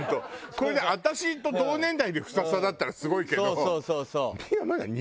これで私と同年代でフサフサだったらすごいけど。